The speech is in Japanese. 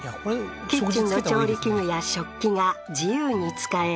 キッチンの調理器具や食器が自由に使え